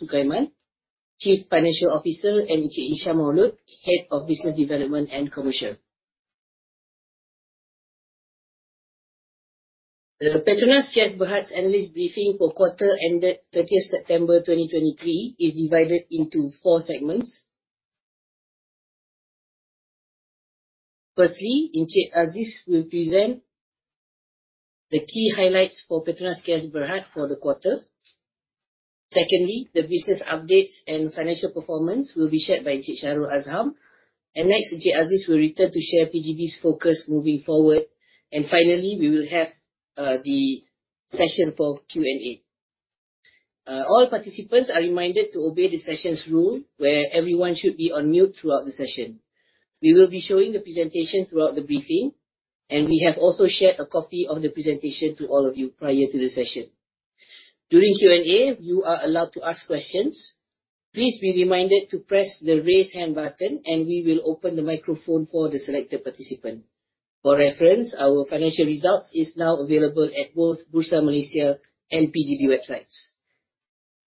Sukaiman, Chief Financial Officer, and Encik Hisham Maaulot, Head of Business Development and Commercial. The PETRONAS Gas Berhad's analyst briefing for quarter ended 30th September 2023, is divided into 4 segments. Firstly, Encik Aziz will present the key highlights for PETRONAS Gas Berhad for the quarter. Secondly, the business updates and financial performance will be shared by Shahrul Azham, and next, Encik Aziz will return to share PGB's focus moving forward. Finally, we will have the session for Q&A. All participants are reminded to obey the session's rule, where everyone should be on mute throughout the session. We will be showing the presentation throughout the briefing, and we have also shared a copy of the presentation to all of you prior to the session. During Q&A, you are allowed to ask questions. Please be reminded to press the Raise Hand button, and we will open the microphone for the selected participant. For reference, our financial results is now available at both Bursa Malaysia and PGB websites.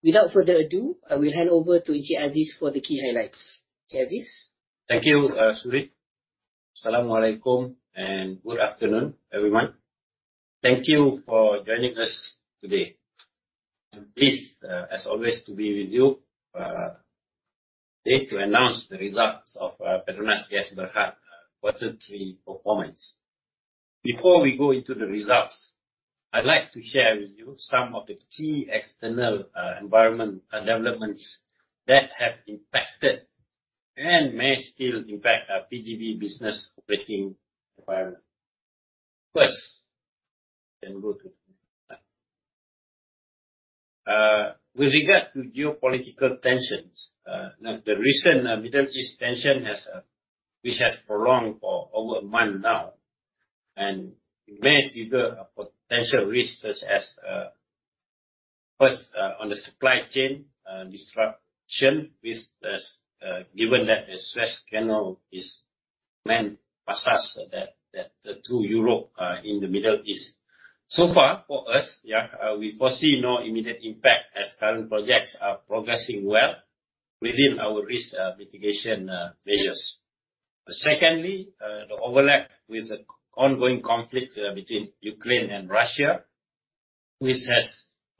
Without further ado, I will hand over to Encik Aziz for the key highlights. Encik Aziz? Thank you, Suriyanti. Assalamu alaikum, and good afternoon, everyone. Thank you for joining us today. I'm pleased, as always, to be with you today to announce the results of PETRONAS Gas Berhad quarter three performance. Before we go into the results, I'd like to share with you some of the key external environment developments that have impacted and may still impact our PGB business operating environment. First, can we go to the... With regard to geopolitical tensions, now, the recent Middle East tension has, which has prolonged for over a month now, and may trigger a potential risk, such as, first, on the supply chain disruption, which is, given that the Suez Canal is main passage to Europe, in the Middle East. So far, for us yeah, we foresee no immediate impact as current projects are progressing well within our risk, mitigation, measures. Secondly, the ongoing conflict between Ukraine and Russia, which has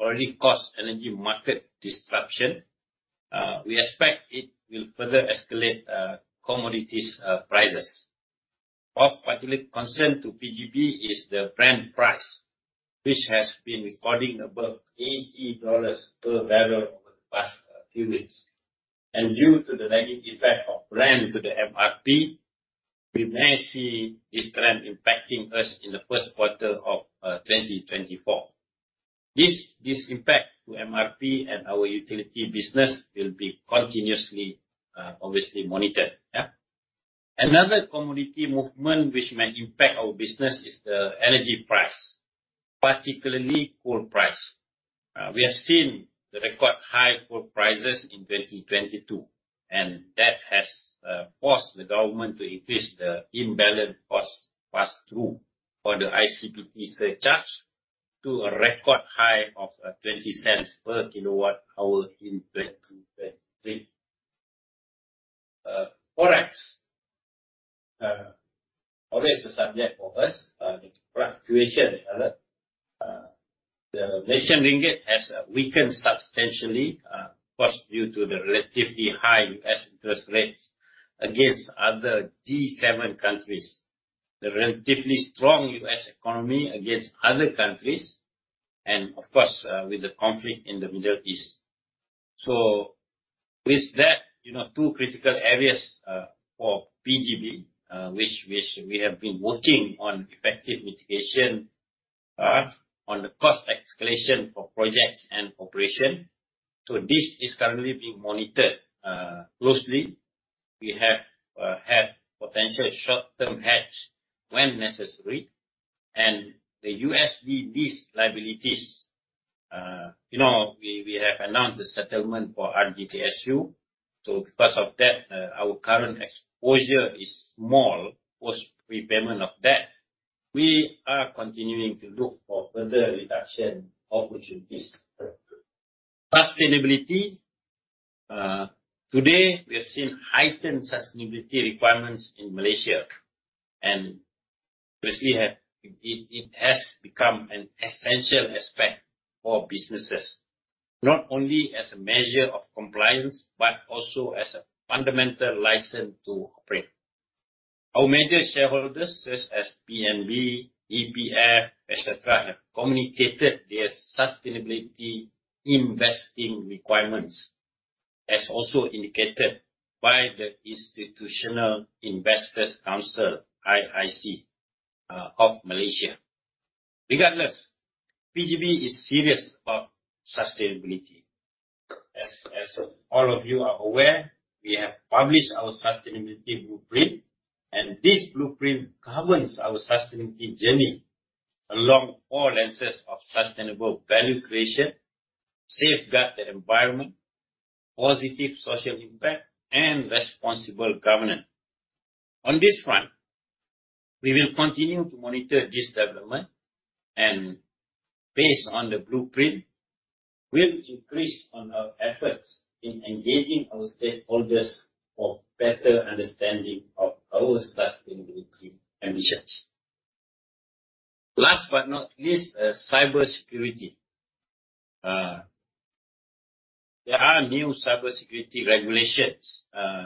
already caused energy market disruption. We expect it will further escalate, commodities, prices. Of particular concern to PGB is the Brent price, which has been recording above $80 per barrel over the past, few weeks. And due to the lagging effect of Brent to the MRP, we may see this trend impacting us in the first quarter of 2024. This, this impact to MRP and our utility business will be continuously, obviously monitored, yeah. Another commodity movement, which may impact our business is the energy price, particularly coal price. We have seen the record high coal prices in 2022, and that has forced the government to increase the imbalance cost pass-through for the ICPT surcharge to a record high of 0.20 per kWh in 2023. Forex always a subject for us. The fluctuation, the Malaysian ringgit has weakened substantially, first due to the relatively high U.S. interest rates against other G7 countries. The relatively strong U.S. economy against other countries and, of course, with the conflict in the Middle East. So, with that, you know, two critical areas for PGB, which we have been working on effective mitigation on the cost escalation for projects and operation. So, this is currently being monitored closely. We have potential short-term hedge when necessary. And the USD lease liabilities, you know, we have announced a settlement for RGTSU. So, because of that, our current exposure is small, post prepayment of debt. We are continuing to look for further reduction opportunities. Sustainability. Today, we have seen heightened sustainability requirements in Malaysia, and we see it has become an essential aspect for businesses, not only as a measure of compliance, but also as a fundamental license to operate. Our major shareholders, such as PNB, EPF, et cetera, have communicated their sustainability investing requirements, as also indicated by the Institutional Investors Council, IIC, of Malaysia. Regardless, PGB is serious about sustainability. As all of you are aware, we have published our sustainability blueprint, and this blueprint governs our sustainability journey along four lenses of sustainable value creation, safeguard the environment, positive social impact, and responsible governance. On this front, we will continue to monitor this development, and based on the blueprint, we'll increase on our efforts in engaging our stakeholders for better understanding of our sustainability ambitions. Last but not least, cybersecurity. There are new cybersecurity regulations,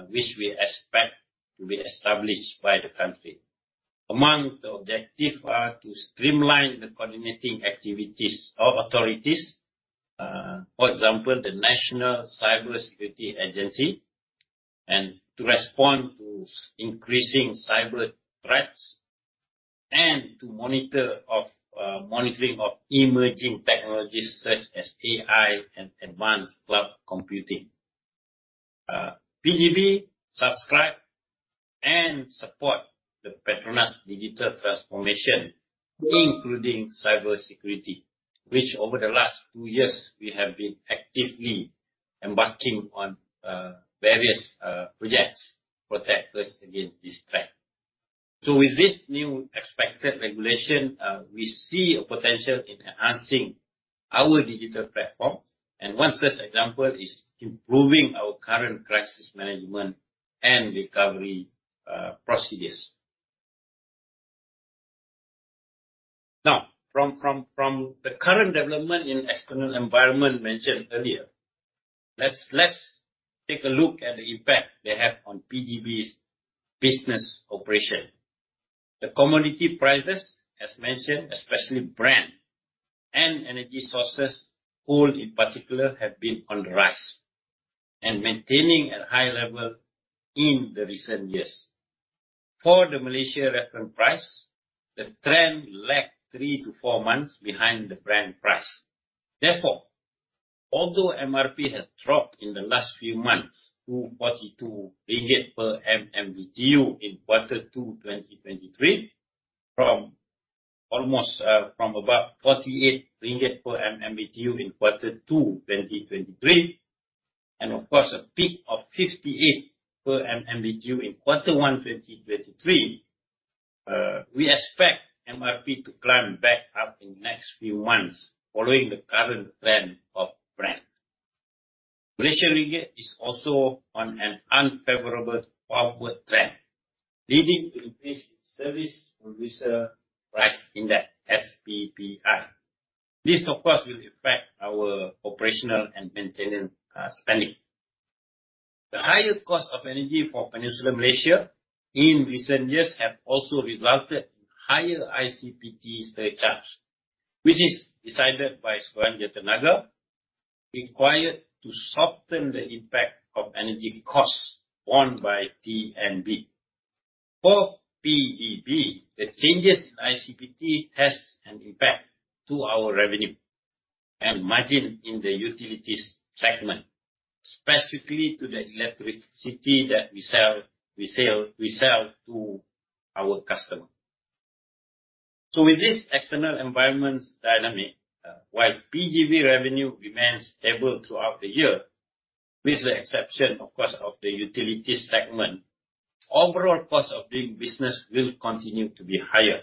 which we expect to be established by the country. Among the objective are to streamline the coordinating activities of authorities, for example, the National Cybersecurity Agency, and to respond to increasing cyber threats, and to monitoring of emerging technologies such as AI and advanced cloud computing. PGB subscribe and support the PETRONAS' digital transformation, including cybersecurity, which over the last two years, we have been actively embarking on various projects to protect us against this threat. So, with this new expected regulation, we see a potential in enhancing our digital platform, and one such example is improving our current crisis management and recovery procedures. Now, from the current development in external environment mentioned earlier, let's take a look at the impact they have on PGB's business operation. The commodity prices, as mentioned, especially Brent, and energy sources, oil in particular, have been on the rise and maintaining at a high level in the recent years. For the Malaysia Reference Price, the trend lagged 3-4 months behind the Brent price. Therefore, although MRP has dropped in the last few months to 42 ringgit per MMBtu in quarter two, 2023, from almost, from about MYR 48 per MMBtu in quarter two, 2023, and of course, a peak of 58 per MMBtu in quarter one, 2023. We expect MRP to climb back up in the next few months following the current trend of Brent. Malaysian ringgit is also on an unfavorable forward trend, leading to increased Service Producer Price Index, SPPI. This, of course, will affect our operational and maintenance spending. The higher cost of energy for Peninsula Malaysia in recent years have also resulted in higher ICPT surcharges, which is decided by Suruhanjaya Tenaga, required to soften the impact of energy costs borne by TNB. For PGB, the changes in ICPT has an impact to our revenue and margin in the utilities segment, specifically to the electricity that we sell to our customer. So, with this external environment dynamic, while PGB revenue remains stable throughout the year, with the exception, of course, of the utilities segment, overall cost of doing business will continue to be higher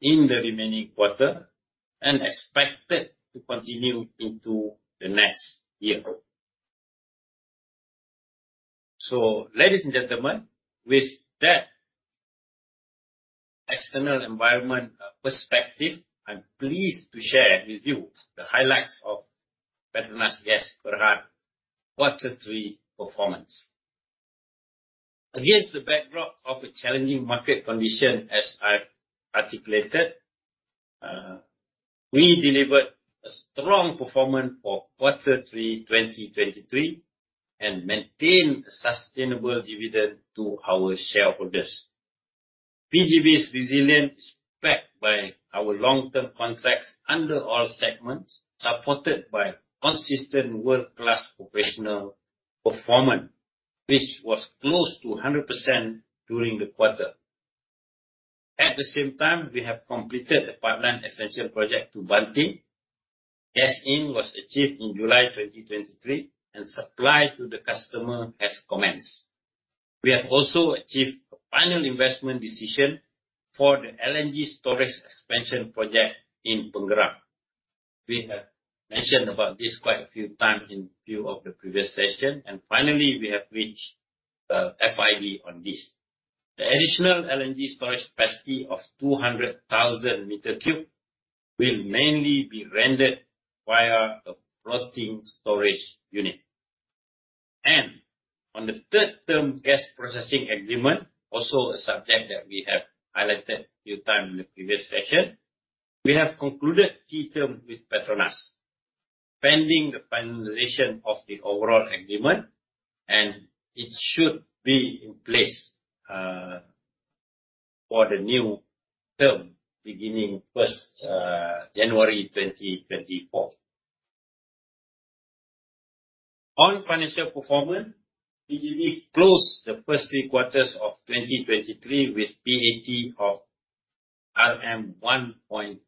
in the remaining quarter and expected to continue into the next year. So, ladies and gentlemen, with that external environment perspective, I'm pleased to share with you the highlights of PETRONAS Gas Berhad quarter three performance. Against the backdrop of a challenging market condition, as I've articulated, we delivered a strong performance for quarter three, 2023, and maintained a sustainable dividend to our shareholders. PGB's resilience is backed by our long-term contracts under all segments, supported by consistent world-class operational performance, which was close to 100% during the quarter. At the same time, we have completed the Pipeline Extension project to Banting. Gas in was achieved in July 2023, and supply to the customer has commenced. We have also achieved a final investment decision for the LNG storage expansion project in Pengerang. We have mentioned about this quite a few times in few of the previous session, and finally, we have reached FID on this. The additional LNG storage capacity of 200,000 cubic meters will mainly be rendered via the floating storage unit. On the third term gas processing agreement, also a subject that we have highlighted a few times in the previous session, we have concluded key terms with PETRONAS, pending the finalization of the overall agreement, and it should be in place for the new term, beginning first January 2024. On financial performance, PGB closed the first three quarters of 2023 with PAT of 1.43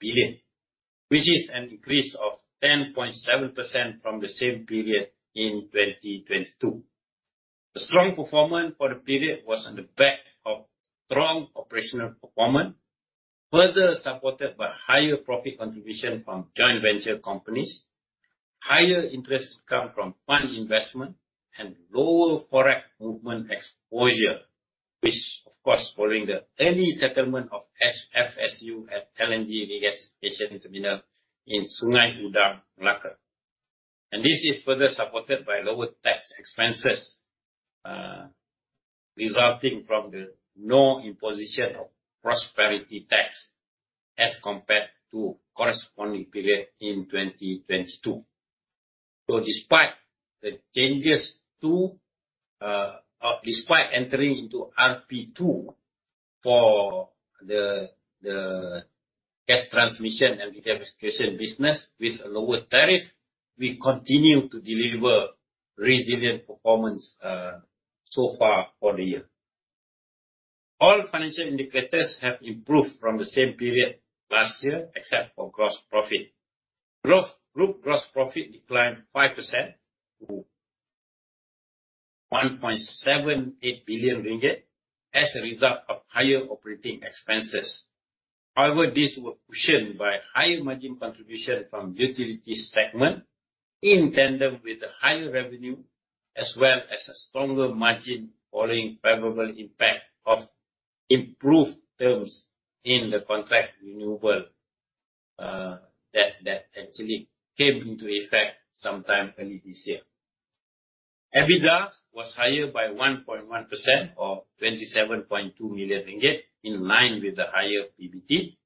billion, which is an increase of 10.7% from the same period in 2022. The strong performance for the period was on the back of strong operational performance, further supported by higher profit contribution from joint venture companies, higher interest income from fund investment, and lower Forex movement exposure. Which, of course, following the early settlement of FSU at LNG regasification terminal in Sungai Udang, Melaka. This is further supported by lower tax expenses, resulting from the no imposition of prosperity tax as compared to corresponding period in 2022. Despite the changes to despite entering into RP2 for the gas transmission and regasification business with a lower tariff, we continue to deliver resilient performance, so far for the year. All financial indicators have improved from the same period last year, except for gross profit. Group gross profit declined 5% to 1.78 billion ringgit as a result of higher operating expenses. However, this was cushioned by higher margin contribution from utility segment, in tandem with the higher revenue, as well as a stronger margin following favorable impact of improved terms in the contract renewable, that actually came into effect sometime early this year. EBITDA was higher by 1.1%, or 27.2 million ringgit, in line with the higher PBT.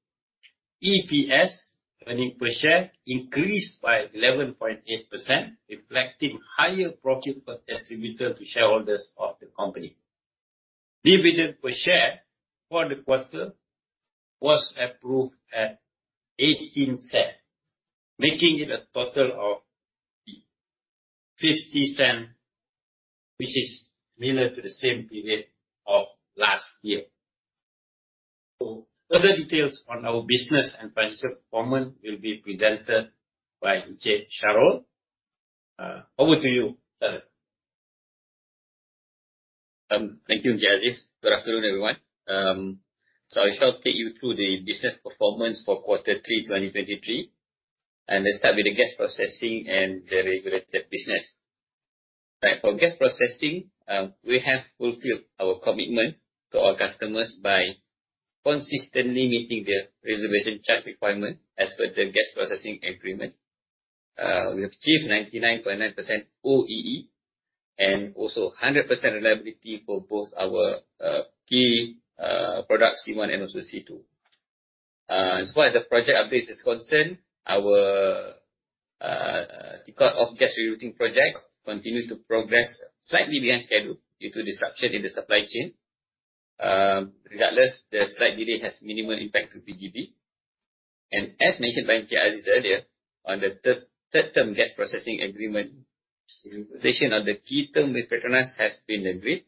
EPS, earnings per share, increased by 11.8%, reflecting higher profit attributable to shareholders of the company. Dividend per share for the quarter was approved at 0.18, making it a total of 0.50, which is similar to the same period of last year. So, further details on our business and financial performance will be presented by Encik Shahrul. Over to you, sir. Thank you, Encik Aziz. Good afternoon, everyone. So, I shall take you through the business performance for quarter three, 2023, and let's start with the gas processing and the regulated business. Right. For gas processing, we have fulfilled our commitment to our customers by consistently meeting their reservation charge requirement as per the gas processing agreement. We have achieved 99.9% OEE and also 100% reliability for both our key products, C1 and also C2. As far as the project updates is concerned, our cut-off gas rerouting project continued to progress slightly behind schedule due to disruption in the supply chain. Regardless, the slight delay has minimal impact to PGB. As mentioned by Encik Aziz earlier, on the third term gas processing agreement, negotiation on the key term with PETRONAS has been agreed,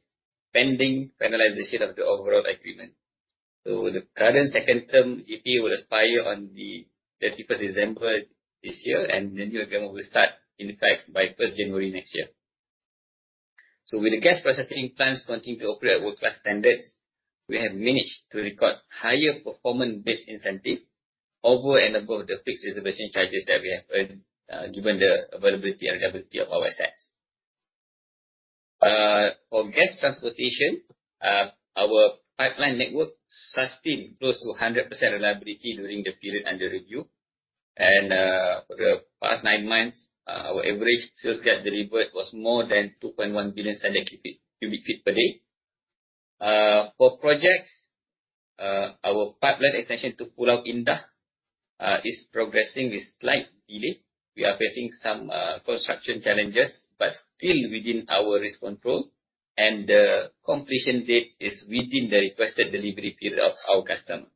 pending finalization of the overall agreement. So, the current second term GPA will expire on the 31 December this year, and the new agreement will start in fact by 1 January next year. So, with the gas processing plants continuing to operate at world-class standards, we have managed to record higher performance-based incentive over and above the fixed reservation charges that we have earned, given the availability and reliability of our assets. For gas transportation, our pipeline network sustained close to 100% reliability during the period under review. For the past nine months, our average sales gas delivered was more than 2.1 billion standard cubic feet per day. For projects, our pipeline extension to Pulau Indah is progressing with slight delay. We are facing some construction challenges, but still within our risk control, and the completion date is within the requested delivery period of our customer.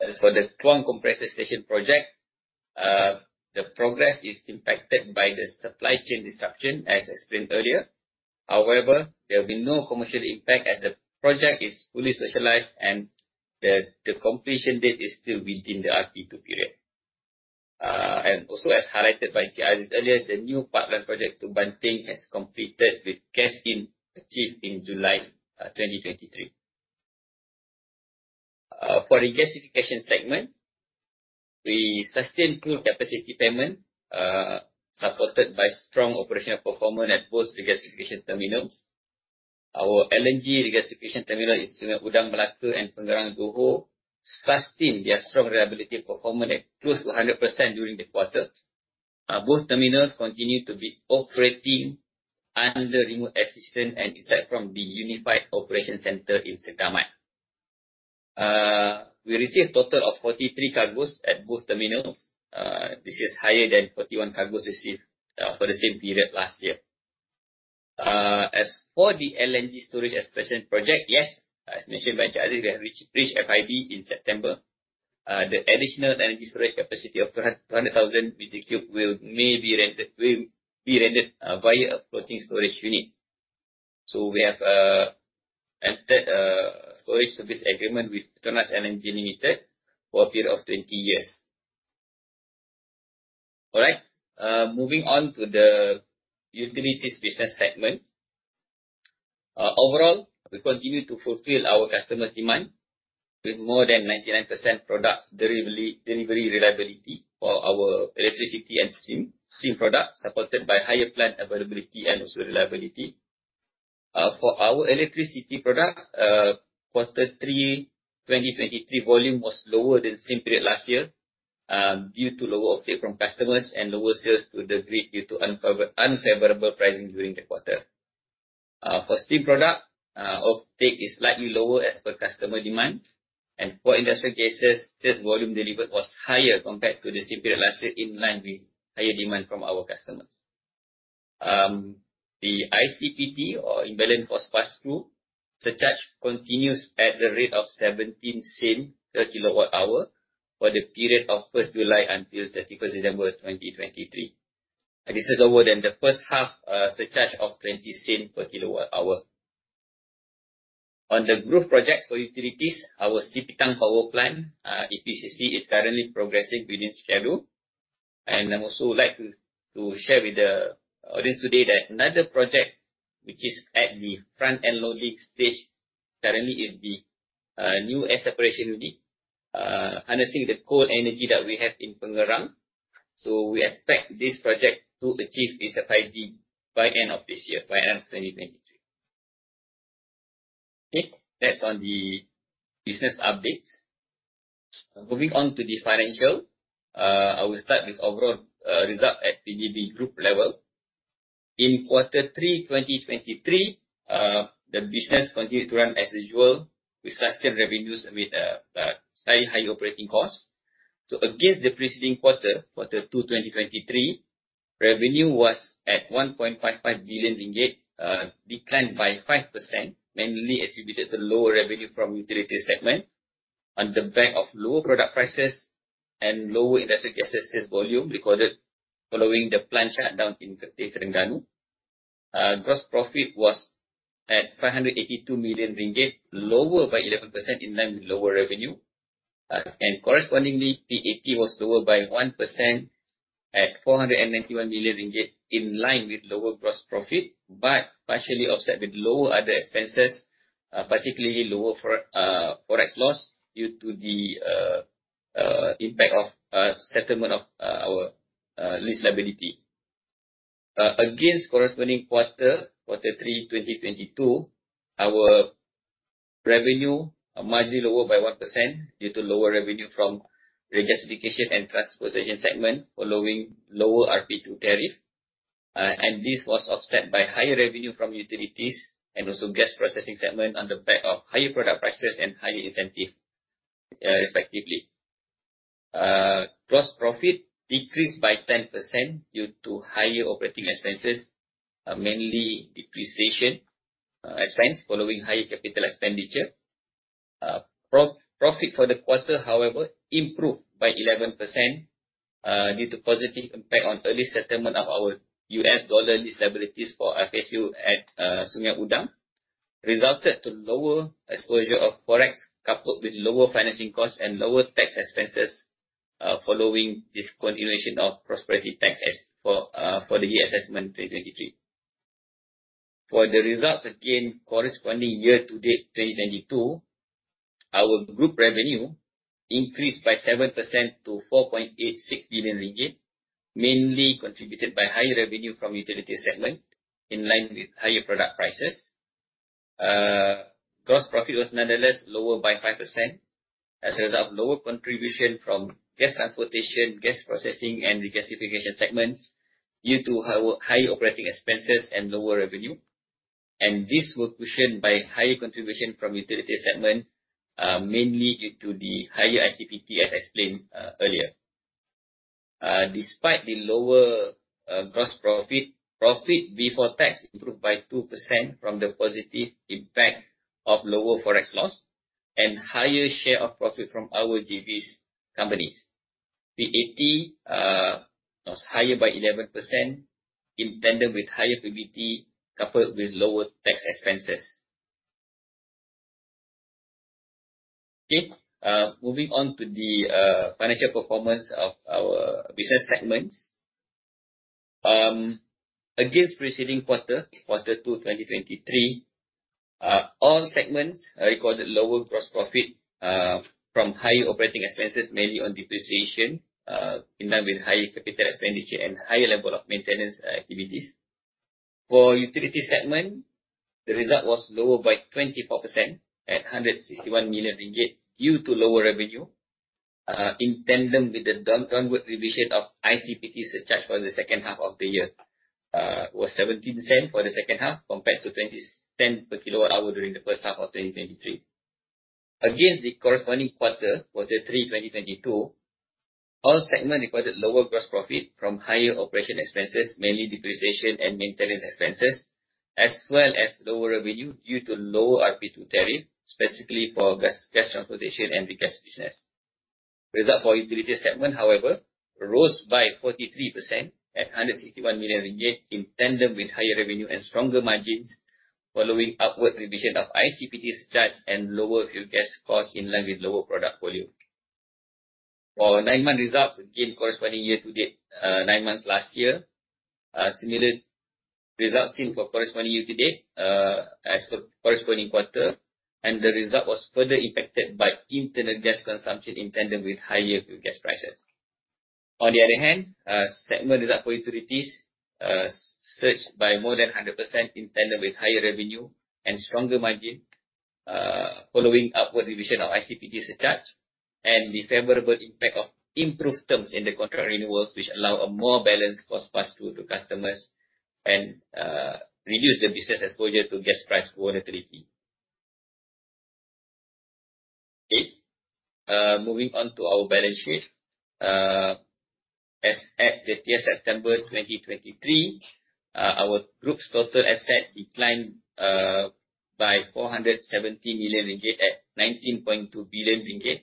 As for the Kluang Compressor Station project, the progress is impacted by the supply chain disruption, as explained earlier. However, there will be no commercial impact as the project is fully socialized and the completion date is still within the RP2 period. And also, as highlighted by Encik Aziz earlier, the new pipeline project to Banting has completed with gas-in achieved in July 2023. For the regasification segment, we sustained full capacity payment supported by strong operational performance at both regasification terminals. Our LNG regasification terminal in Sungai Udang, Melaka, and Pengerang, Johor, sustained their strong reliability performance at close to 100% during the quarter. Both terminals continue to be operating under remote assistance and insight from the Unified Operation Center in Segamat. We received a total of 43 cargos at both terminals, which is higher than 41 cargos received for the same period last year. As for the LNG storage expansion project, yes, as mentioned by Encik Aziz, we have reached, reached FID in September. The additional energy storage capacity of 100,000 cubic will-- may be rented, will be rented via a floating storage unit. So, we have entered a storage service agreement with PETRONAS LNG Limited for a period of 20 years. All right, moving on to the utilities business segment. Overall, we continue to fulfill our customers' demand with more than 99% product delivery reliability for our electricity and steam products, supported by higher plant availability and also reliability. For our electricity product, quarter three, 2023 volume was lower than the same period last year, due to lower offtake from customers and lower sales to the grid due to unfavorable pricing during the quarter. For steam product, offtake is slightly lower as per customer demand, and for industrial gases, gas volume delivered was higher compared to the same period last year, in line with higher demand from our customers. The ICPT or imbalance cost pass-through surcharge continues at the rate of 17 sen per kWh for the period of 1 July until 31 December 2023. This is lower than the first half surcharge of 0.20 per kWh. On the growth projects for utilities, our Sipitang power plant EPCC is currently progressing within schedule. I'd also like to share with the audience today that another project, which is at the front-end loading stage, currently is the new air separation unit harnessing the cold energy that we have in Pengerang. So, we expect this project to achieve FID by end of this year, by end of 2023. Okay, that's on the business updates. Moving on to the financial. I will start with overall result at PGB Group level. In quarter three, 2023, the business continued to run as usual, with sustained revenues amid slightly higher operating costs. So, against the preceding quarter, quarter 2, 2023, revenue was at 1.55 billion ringgit, declined by 5%, mainly attributed to lower revenue from utility segment on the back of lower product prices and lower industrial gas sales volume recorded following the plant shutdown in Terengganu. Gross profit was at 582 million ringgit, lower by 11% in line with lower revenue. And correspondingly, PAT was lower by 1% at 491 million ringgit, in line with lower gross profit, but partially offset with lower other expenses, particularly lower Forex loss due to the impact of settlement of our lease liability. Against corresponding quarter, quarter 3, 2022, our revenue is marginally lower by 1% due to lower revenue from regasification and transportation segment, following lower RP2 tariff. And this was offset by higher revenue from utilities and also gas processing segment on the back of higher product prices and higher incentive, respectively. Gross profit decreased by 10% due to higher operating expenses, mainly depreciation expense following higher capital expenditure. Profit for the quarter, however, improved by 11% due to positive impact on early settlement of our U.S. dollar lease liabilities for FSU at Sungai Udang, resulted to lower exposure of Forex, coupled with lower financing costs and lower tax expenses, following discontinuation of prosperity tax as for the year assessment 2023. For the results against corresponding year to date, 2022, our group revenue increased by 7% to 4.86 billion ringgit, mainly contributed by higher revenue from utility segment in line with higher product prices. Gross profit was nonetheless lower by 5% as a result of lower contribution from gas transportation, gas processing, and regasification segments due to our higher operating expenses and lower revenue. This was cushioned by higher contribution from utility segment, mainly due to the higher ICPT, as I explained earlier. Despite the lower gross profit, profit before tax improved by 2% from the positive impact of lower Forex loss and higher share of profit from our JVs companies. The PAT was higher by 11% in tandem with higher PBT, coupled with lower tax expenses. Okay, moving on to the financial performance of our business segments. Against preceding quarter, quarter 2, 2023, all segments recorded lower gross profit from higher operating expenses, mainly on depreciation, in line with higher capital expenditure and higher level of maintenance activities. For utility segment, the result was lower by 24% at 161 million ringgit, due to lower revenue in tandem with the downward revision of ICPT surcharge for the second half of the year. It was 0.17 per kWh for the second half, compared to 0.20 per kWh during the first half of 2023. Against the corresponding quarter, quarter 3, 2022, all segments recorded lower gross profit from higher operating expenses, mainly depreciation and maintenance expenses, as well as lower revenue due to lower RP2 tariff, specifically for gas transportation and regas business. Result for utility segment, however, rose by 43% at under 61 million ringgit, in tandem with higher revenue and stronger margins, following upward revision of ICPT surcharge and lower fuel gas costs, in line with lower product volume. For 9-month results, again, corresponding year-to-date, nine months last year, similar results in for corresponding year-to-date, as per corresponding quarter, and the result was further impacted by internal gas consumption, in tandem with higher fuel gas prices. On the other hand, segment result for utilities surged by more than 100% in tandem with higher revenue and stronger margin, following upward revision of ICPT surcharge and the favorable impact of improved terms in the contract renewals, which allow a more balanced cost pass-through to customers and reduce the business exposure to gas price volatility. Okay, moving on to our balance sheet. As of 30 September 2023, our group's total asset declined by 470 million ringgit to 19.2 billion ringgit,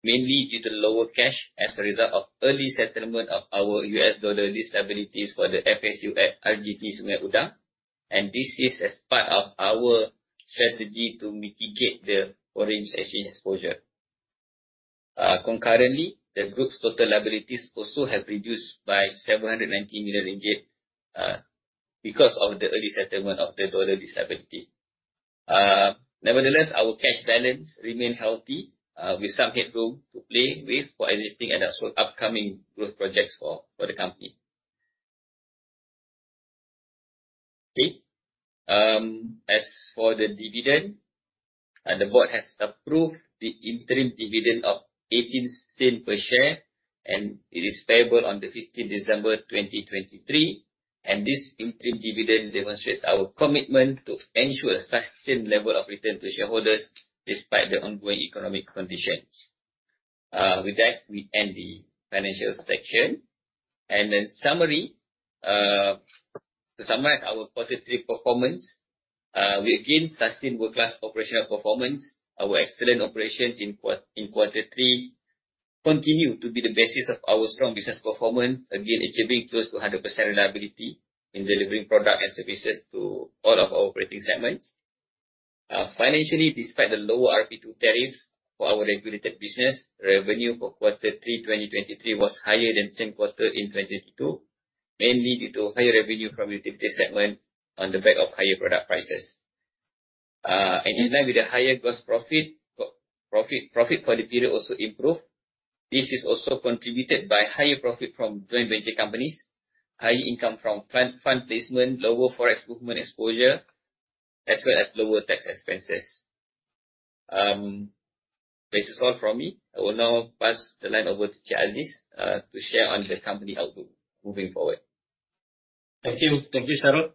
mainly due to lower cash as a result of early settlement of our US dollar liabilities for the FSU at RGT Sungai Udang, and this is as part of our strategy to mitigate the foreign exchange exposure. Concurrently, the group's total liabilities also have reduced by 790 million ringgit because of the early settlement of the dollar liability. Nevertheless, our cash balance remains healthy with some headroom to play with for existing and also upcoming growth projects for the company. Okay. As for the dividend, the board has approved the interim dividend of 0.18 per share, and it is payable on the 15 December 2023, and this interim dividend demonstrates our commitment to ensure a sustained level of return to shareholders, despite the ongoing economic conditions. With that, we end the financial section. To summarize our quarter three performance, we again sustain world-class operational performance. Our excellent operations in quarter three continue to be the basis of our strong business performance, again, achieving close to 100% reliability in delivering products and services to all of our operating segments. Financially, despite the lower RP2 tariffs for our regulated business, revenue for quarter three 2023 was higher than same quarter in 2022, mainly due to higher revenue from utility segment on the back of higher product prices. In line with the higher gross profit, profit for the period also improved. This is also contributed by higher profit from joint venture companies, high income from fund placement, lower Forex movement exposure, as well as lower tax expenses. This is all from me. I will now pass the line over to Encik Aziz to share on the company outlook moving forward. Thank you. Thank you, Shahrul.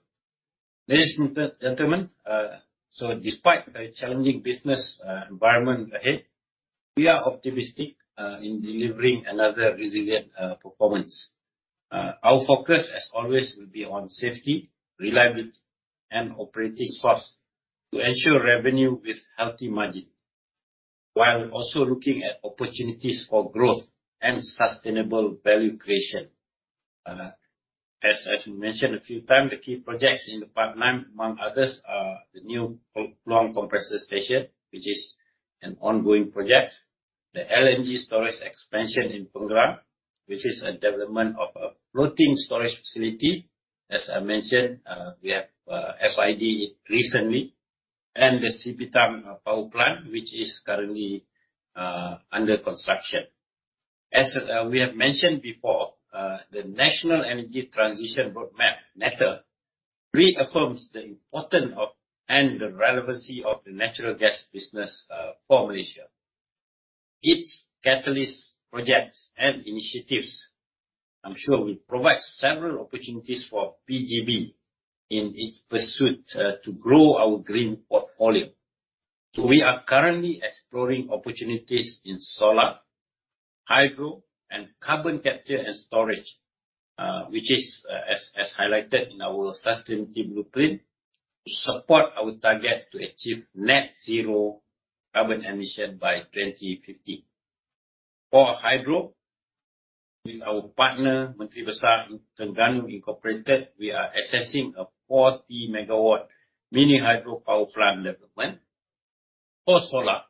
Ladies and gentlemen, so despite the challenging business environment ahead, we are optimistic in delivering another resilient performance. Our focus, as always, will be on safety, reliability, and operating costs to ensure revenue with healthy margin, while also looking at opportunities for growth and sustainable value creation. As we mentioned a few times, the key projects in the pipeline, among others, are the new Popok Compressor Station, which is an ongoing project. The LNG storage expansion in Pengerang, which is a development of a floating storage facility. As I mentioned, we have FID recently, and the Sipitang Power Plant, which is currently under construction. As we have mentioned before, the National Energy Transition Roadmap, NETR, reaffirms the importance of, and the relevancy of, the natural gas business for Malaysia. Its catalyst projects and initiatives, I'm sure will provide several opportunities for PGB in its pursuit to grow our green portfolio. So, we are currently exploring opportunities in solar, hydro, and carbon capture and storage, which is, as highlighted in our sustainability blueprint, to support our target to achieve net zero carbon emission by 2050. For hydro, with our partner, Menteri Besar Terengganu Incorporated, we are assessing a 40-megawatt mini hydro power plant development. For solar,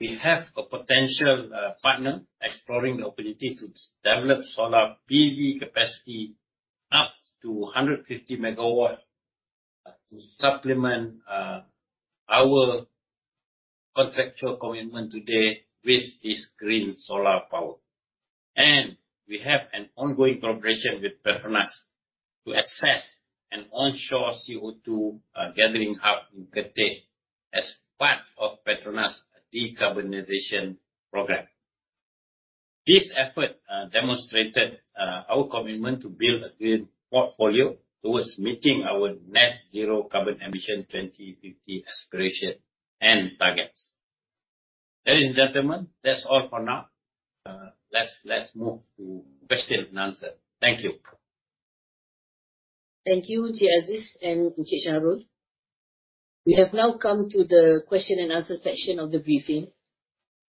we have a potential partner exploring the opportunity to develop solar PV capacity up to 150 megawatts, to supplement our contractual commitment today with this green solar power. And we have an ongoing cooperation with PETRONAS to assess an onshore CO2 gathering hub in Kertih, as part of PETRONAS' decarbonization program. This effort demonstrated our commitment to build a green portfolio towards meeting our net zero carbon emission 2050 aspiration and targets. Ladies and gentlemen, that's all for now. Let's move to question and answer. Thank you. Thank you, Encik Abdul Aziz and Encik Shahrul. We have now come to the question-and-answer section of the briefing.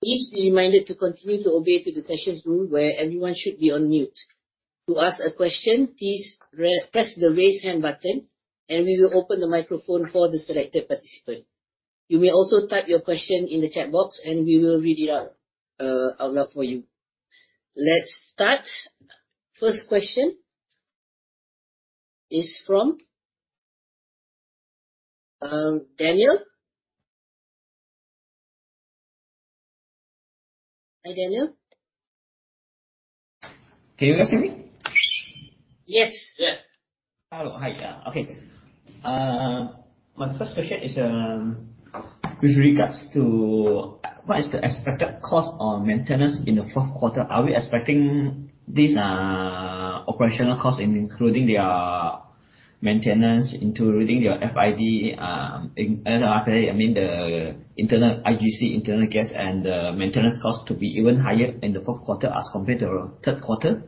Please be reminded to continue to obey the session's rules, where everyone should be on mute. To ask a question, please press the Raise Hand button, and we will open the microphone for the selected participant. You may also type your question in the chat box, and we will read it out loud for you. Let's start. First question is from Daniel. Hi, Daniel. Can you hear me? Yes. Yeah. Hello. Hi. Okay. My first question is, with regards to what is the expected cost on maintenance in the fourth quarter. Are we expecting these, operational costs, including their maintenance, including their FID, I mean, the internal IGC, internal gas, and the maintenance costs to be even higher in the fourth quarter as compared to the third quarter?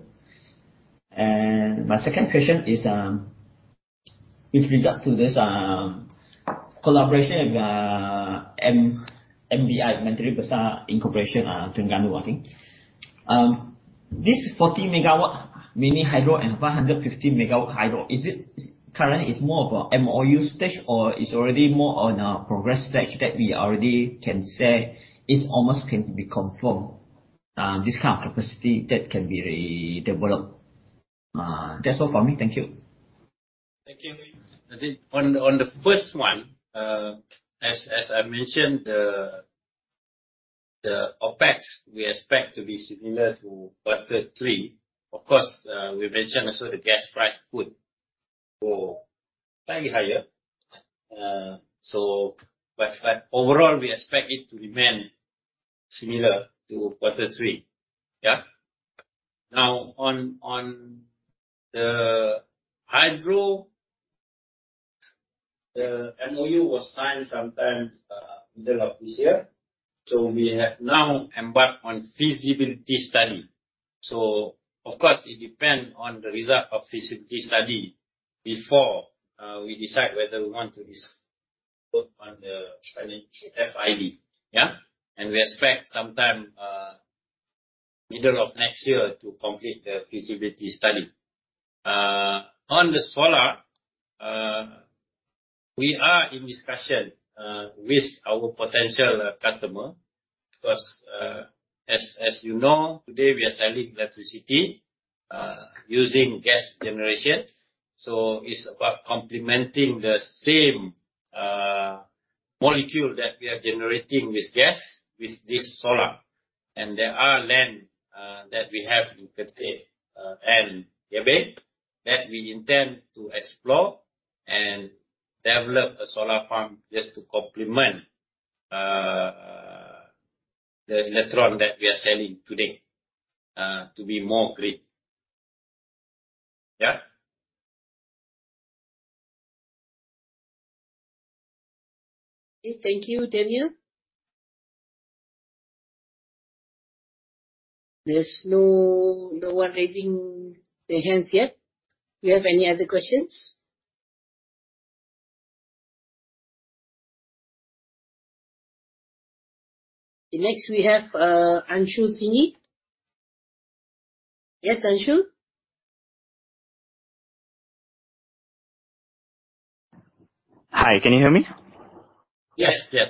And my second question is, with regards to this, collaboration with, MBI, Menteri Besar Incorporated, Terengganu, I think. This 40-megawatt mini hydro and 550-megawatt hydro, is it currently is more of a MOU stage, or it's already more on a progress stage that we already can say it can almost be confirmed, this kind of capacity that can be developed? That's all from me. Thank you. Thank you. On the first one, as I mentioned, the OpEx, we expect to be similar to quarter three. Of course, we mentioned also the gas price could go slightly higher. So but overall, we expect it to remain similar to quarter three. Yeah. Now, on the hydro, the MOU was signed sometime middle of this year, so we have now embarked on feasibility study. So, of course, it depends on the result of feasibility study before we decide whether we want to invest on the FID. Yeah. And we expect sometime middle of next year to complete the feasibility study. On the solar, we are in discussion with our potential customer, because as you know, today, we are selling electricity using gas generation. So, it's about complementing the same, molecule that we are generating with gas, with this solar. And there are land, that we have in Kertih, and Gebeng that we intend to explore and develop a solar farm just to complement, the electron that we are selling today, to be more great. Yeah. Thank you, Daniel. There's no, no one raising their hands yet. Do you have any other questions? Next, we have Anshul Singhi. Yes, Anshu. Hi, can you hear me? Yes. Yes.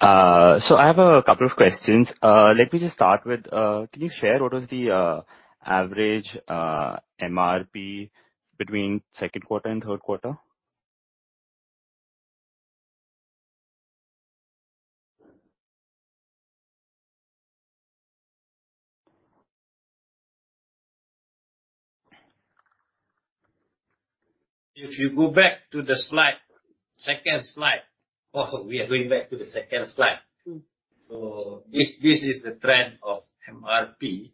I have a couple of questions. Let me just start with, can you share what was the average MRP between second quarter and third quarter? If you go back to the slide, second slide. Also, we are going back to the second slide. So, this is the trend of MRP.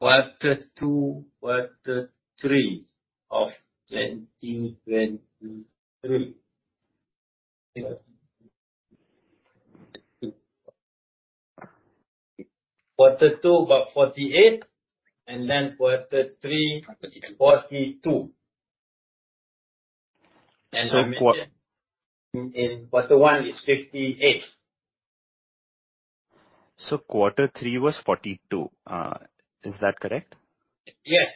Quarter two, quarter three of 2023. Quarter two, about 48, and then quarter three, 42. So quar- In quarter one, it's 58. Quarter three was 42, is that correct? Yes.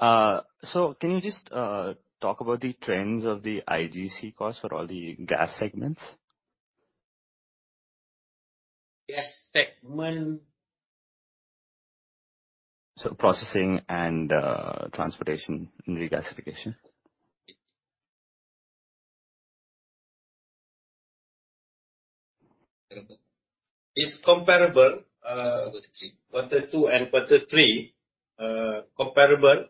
Can you just talk about the trends of the IGC costs for all the gas segments? Gas segment... Processing and transportation and regasification. It's comparable, quarter two and quarter three, comparable,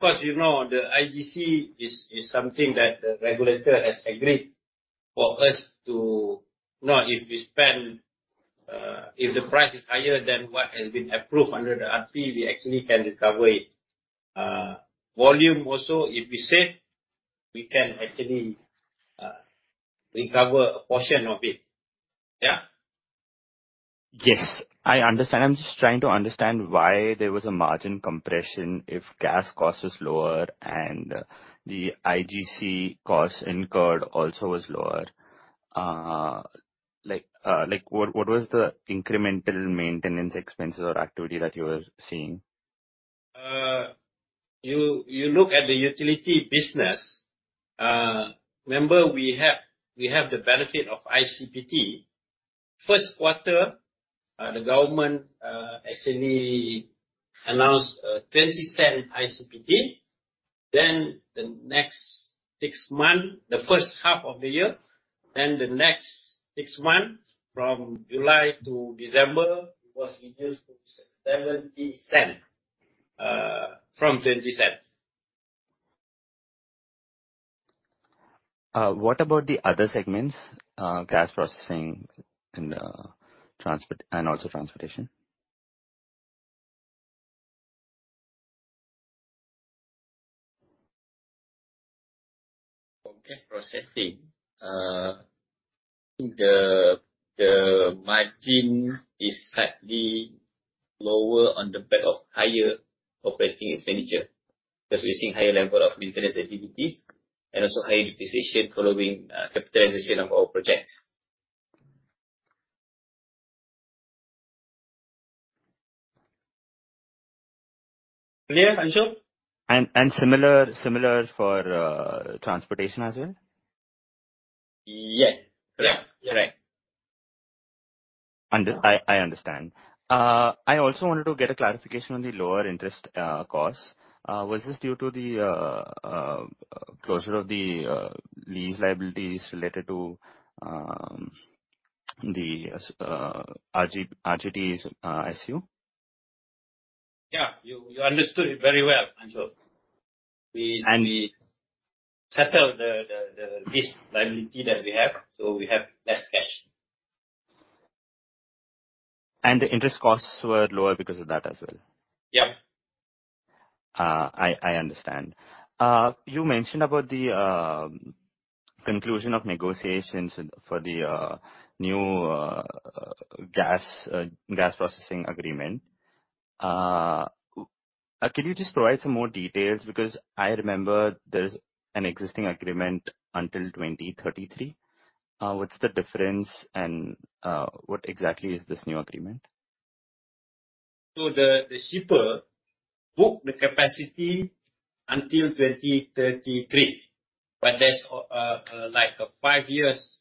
because, you know, the IGC is something that the regulator has agreed for us to... You know, if we spend, if the price is higher than what has been approved under the RP, we actually can recover it. Volume also, if we save, we can actually recover a portion of it. Yeah? Yes, I understand. I'm just trying to understand why there was a margin compression if gas cost was lower and the IGC cost incurred also was lower. Like, what was the incremental maintenance expense or activity that you were seeing? You look at the utility business. Remember, we have the benefit of ICPT. First quarter, the government actually announced 0.20 ICPT. Then, the next 6 month, the first half of the year, then the next 6 months, from July to December, it was reduced to 0.70 from 0.20. What about the other segments, gas processing and transport, and also transportation? For gas processing, the margin is slightly lower on the back of higher operating expenditure, because we're seeing higher level of maintenance activities and also high depreciation following capitalization of our projects. Clear, Anshul? And similar for transportation as well? Yes. Correct. Correct. I understand. I also wanted to get a clarification on the lower interest cost. Was this due to the closure of the lease liabilities related to the RG, RGT's ICU? Yeah, you understood it very well, Anshul. We- And- settled this liability that we have, so we have less cash. The interest costs were lower because of that as well? Yeah. I understand. You mentioned about the conclusion of negotiations for the new gas processing agreement. Could you just provide some more details? Because I remember there's an existing agreement until 2033. What's the difference and what exactly is this new agreement? So, the shipper book the capacity until 2033, but there's like a 5 years.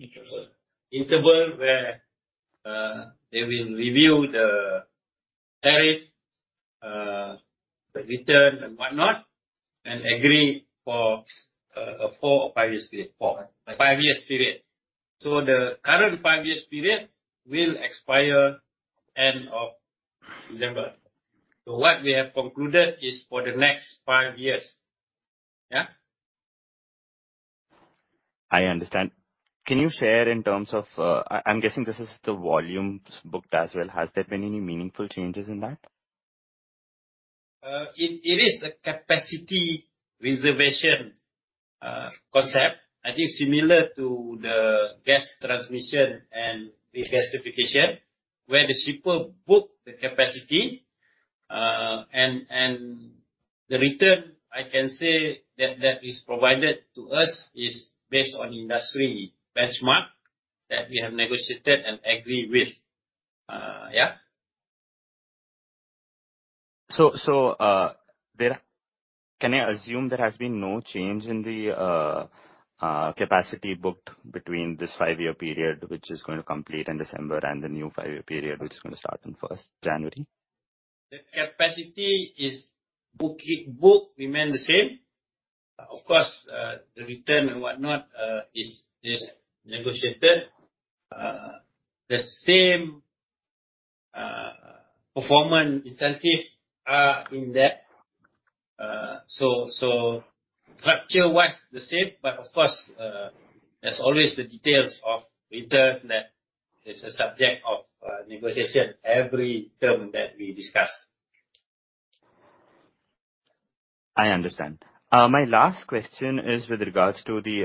Interval... interval, where they will review the tariff, the return and whatnot, and agree for a 4 or 5 years period. 4, 5 years period. So, the current 5 years period will expire end of November. So, what we have concluded is for the next 5 years. Yeah. I understand. Can you share in terms of... I'm guessing this is the volume booked as well. Has there been any meaningful changes in that? It is a capacity reservation concept. I think similar to the gas transmission and regasification, where the shipper book the capacity, and the return, I can say that that is provided to us is based on industry benchmark, that we have negotiated and agreed with, yeah. Can I assume there has been no change in the capacity booked between this five-year period, which is going to complete in December, and the new five-year period, which is going to start on first January? The capacity is booked remain the same. Of course, the return and whatnot is negotiated. The same performance incentive are in there. So, structure-wise, the same, but of course, there's always the details of return that is a subject of negotiation, every term that we discuss. I understand. My last question is with regards to the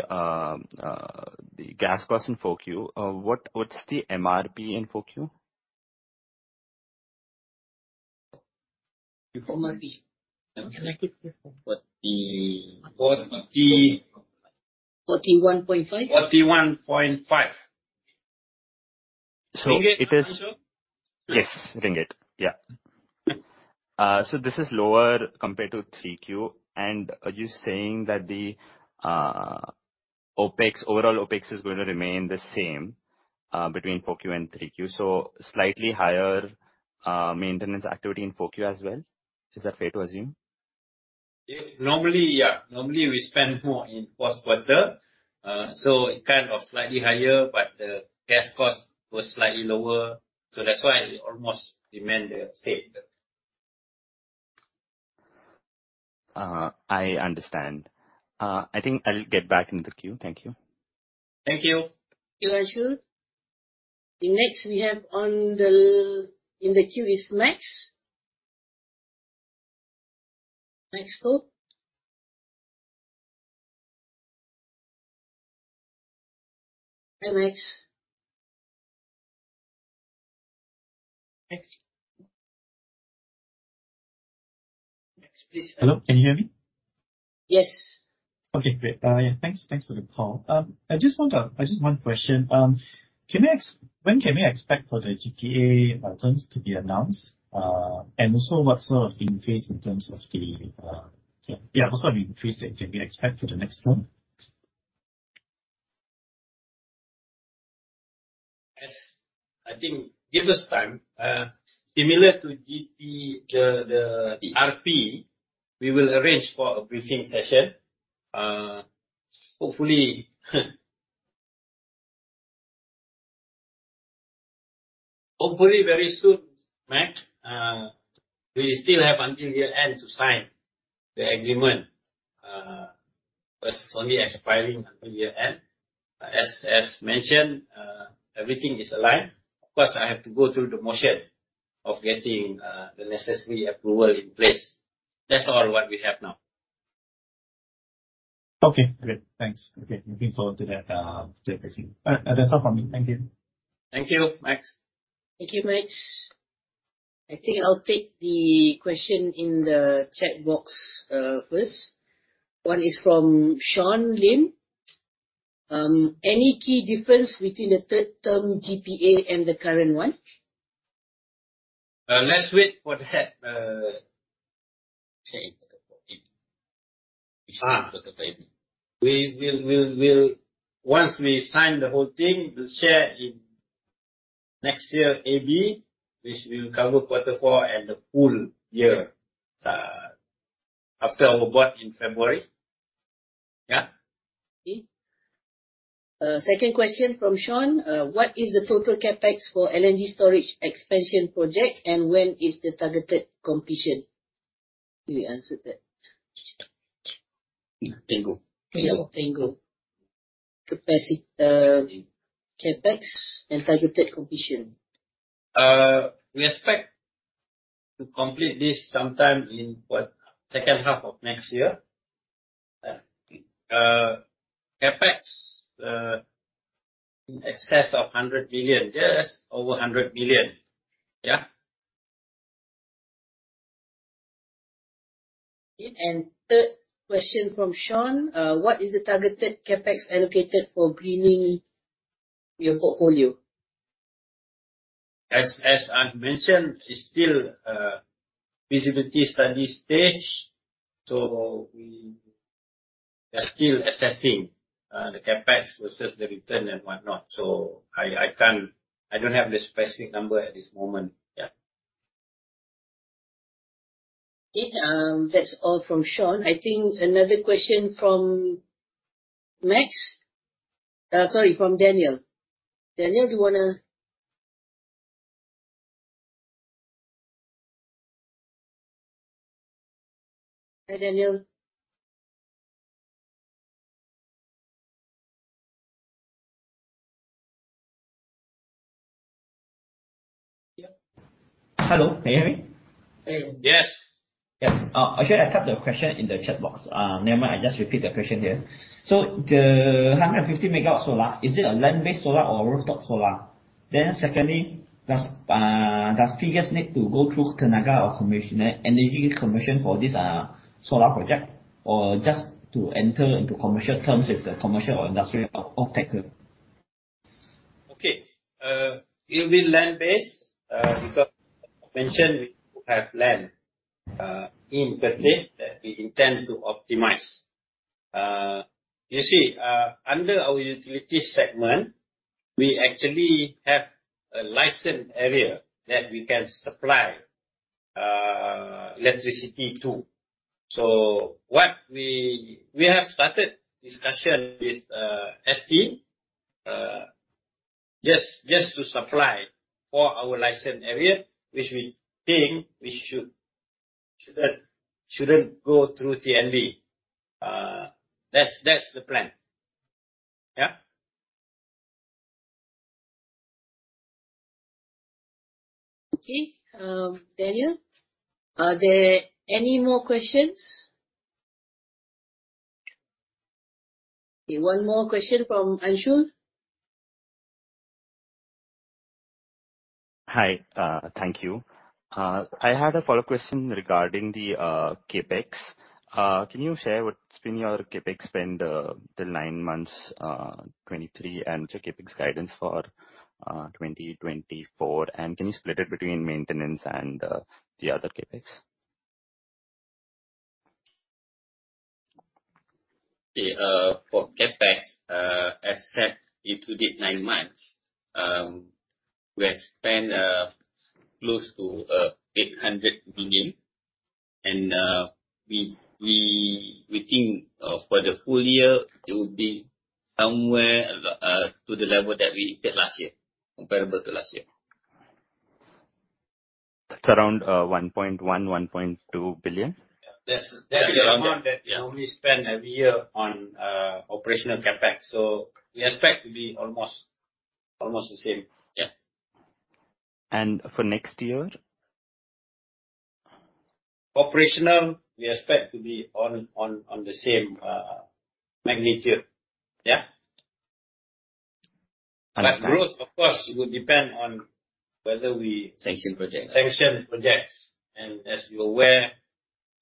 gas cost in 4Q. What's the MRP in 4Q? MRP. Can I keep it? What the- What the- 41.5. 41.5. So, it is. Yes, Anshul. Yes, ringgit. Yeah. So, this is lower compared to 3Q. Are you saying that the OpEx, overall OpEx, is going to remain the same between 4Q and 3Q? So, slightly higher maintenance activity in 4Q as well. Is that fair to assume? Yeah. Normally, yeah. Normally, we spend more in fourth quarter, so, its kind of slightly higher, but the gas cost was slightly lower, so, that's why it almost remained the same. I understand. I think I'll get back into the queue. Thank you. Thank you. Thank you, Anshul. The next we have in the queue is Max Hi, Max. Max? Max, please- Hello, can you hear me? Yes. Okay, great. Yeah, thanks, thanks for the call. Just one question. Can I ask, when can we expect for the GPA terms to be announced? And also what sort of increase can we expect for the next one? Yes, I think give us time. Similar to GP, the RP, we will arrange for a briefing session. Hopefully, hopefully very soon, Max. We still have until year-end to sign the agreement, because it's only expiring until year-end. As mentioned, everything is aligned. Of course, I have to go through the motion of getting the necessary approval in place. That's all what we have now. Okay, great. Thanks. Okay. Looking forward to that, briefing. That's all from me. Thank you. Thank you, Max. Thank you, Max. I think I'll take the question in the chat box first. One is from Sean Lim. Any key difference between the third term GPA and the current one? Let's wait for that. Once we sign the whole thing, we'll share in next year, AB, which will cover quarter four and the full year, after our board in February. Yeah. Okay. Second question from Sean. What is the total CapEx for LNG storage expansion project, and when is the targeted completion? You answered that. Tango. Yeah, Tango. Capacity, CapEx and targeted completion. We expect to complete this sometime in, what, second half of next year. CapEx in excess of 100 million. Just over 100 million. Yeah. Third question from Sean: What is the targeted CapEx allocated for greening your portfolio? As I've mentioned, it's still a feasibility study stage, so we are still assessing the CapEx versus the return and whatnot. So, I can't. I don't have the specific number at this moment. Yeah. Okay, that's all from Sean. I think another question from Max, sorry, from Daniel. Daniel, do you wanna... Hi, Daniel. Yeah. Hello, can you hear me? Yes. Yeah. Actually, I typed the question in the chat box. Never mind, I just repeat the question here. So, the 150 MW solar, is it a land-based solar or a rooftop solar? Then secondly, does PS need to go through Tenaga or commercial, energy commercial for this solar project, or just to enter into commercial terms with the commercial or industrial off-taker? Okay, it will be land-based, because I mentioned we have land in Kertih that we intend to optimize. You see, under our utility segment, we actually have a licensed area that we can supply electricity to. So, what we have started discussion with SB, just to supply for our licensed area, which we think we shouldn't go through TNB. That's the plan. Yeah. Okay. Daniel, are there any more questions? Okay, one more question from Anshul. Hi. Thank you. I had a follow-up question regarding the CapEx. Can you share what's been your CapEx spend, the nine months, 2023, and the CapEx guidance for 2024? And can you split it between maintenance and the other CapEx? Yeah, for CapEx, as at year to date, nine months, we have spent close to 800 million, and we think for the full year, it will be somewhere to the level that we hit last year, comparable to last year. That's around 1.1 billion-1.2 billion? That's, that's the amount that we spend every year on operational CapEx, so, we expect to be almost, almost the same. Yeah.... for next year? Operational, we expect to be on the same magnitude. Yeah. But growth, of course, it will depend on whether we- Sanction projects. Sanction projects. As you're aware,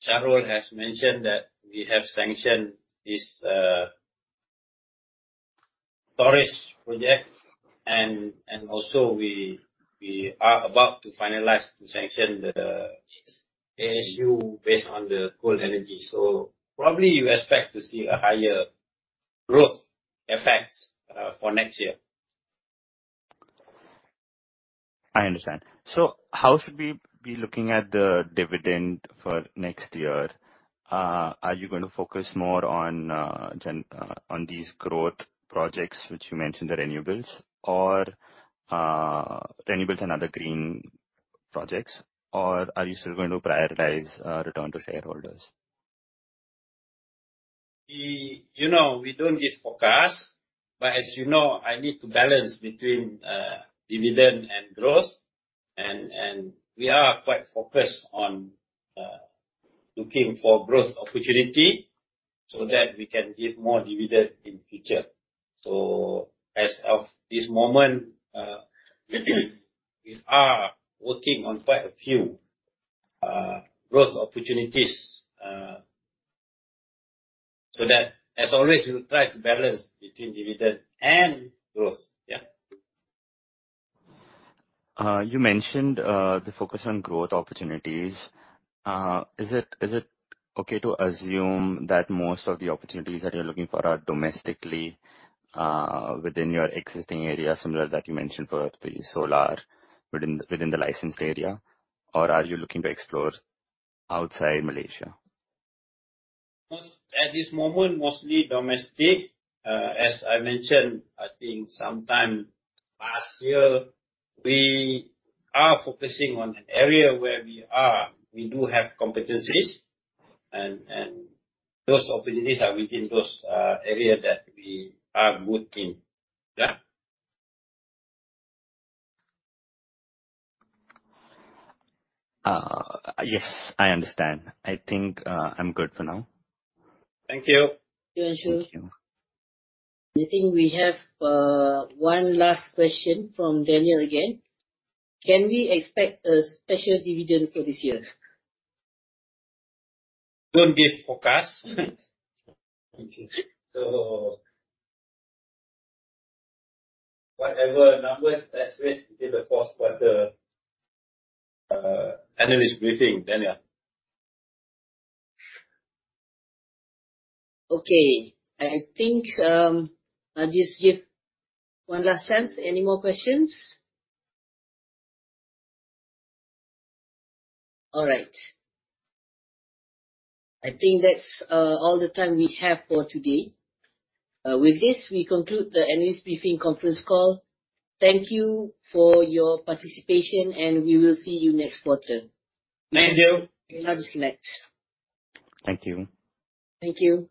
Sharon has mentioned that we have sanctioned this Torres project. And also we are about to finalize to sanction the ASU based on the cold energy. So, probably you expect to see a higher growth effects for next year. I understand. So, how should we be looking at the dividend for next year? Are you going to focus more on these growth projects, which you mentioned, the renewables or renewables and other green projects? Or are you still going to prioritize return to shareholders? We, you know, we don't give forecast, but as you know, I need to balance between dividend and growth, and we are quite focused on looking for growth opportunity so, that we can give more dividend in future. So, as of this moment, we are working on quite a few growth opportunities, so, that as always, we try to balance between dividend and growth. Yeah. You mentioned the focus on growth opportunities. Is it okay to assume that most of the opportunities that you're looking for are domestically within your existing area, similar that you mentioned for the solar, within the licensed area? Or are you looking to explore outside Malaysia? Most, at this moment, mostly domestic. As I mentioned, I think sometime last year, we are focusing on an area where we are. We do have competencies, and, and those opportunities are within those, area that we are good in. Yeah. Yes, I understand. I think, I'm good for now. Thank you. Thank you. Thank you. I think we have, one last question from Daniel again. Can we expect a special dividend for this year? Don't give forecast. So, whatever numbers estimate is, of course, by the analyst briefing, Daniel. Okay. I think, I'll just give one last chance. Any more questions? All right. I think that's all the time we have for today. With this, we conclude the analyst briefing conference call. Thank you for your participation, and we will see you next quarter. Thank you. Have a good night. Thank you. Thank you.